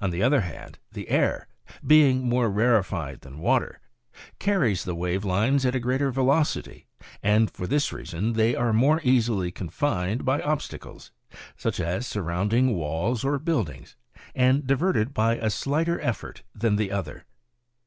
On the other hand, the air, being more rarefied than water, carries the wave lines at a greater velocity, and for this reason they are more easily confined by ob stacles, such as surrounding walls or buildings, and diverted by a slighter effort than the other.